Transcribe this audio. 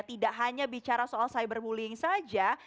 tidak hanya bicara soal cyberbullying saja